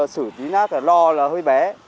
xử lý rác là lò hơi bé